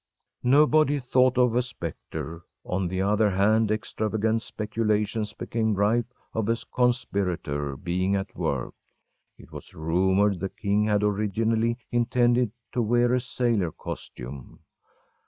Nobody thought of a spectre; on the other hand extravagant speculations became rife of a conspirator being at work. It was rumored the king had originally intended to wear a sailor costume.